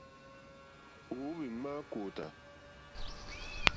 Ò óhwì mâkótá.